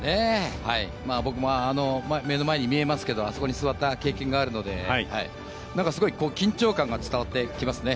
僕も、目の前に見えますけれどもあそこに座った経験があるのですごい緊張感が伝わってきますね。